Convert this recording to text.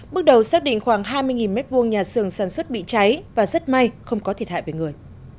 bước đầu xác định khoảng hai mươi m hai nhà xưởng sản xuất bị cháy và rất may không có thiệt hại về người